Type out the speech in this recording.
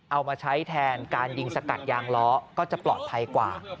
เอามาใช้แทนการยิงสกัดยางล้อก็จะปลอดภัยกว่า